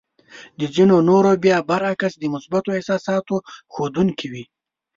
د ځينو نورو بيا برعکس د مثبتو احساساتو ښودونکې وې.